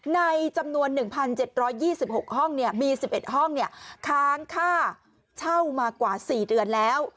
ในจำนวน๑๗๒๖ห้องมี๑๑ห้องค้างค่าเช่ามากว่า๔เดือนแล้ว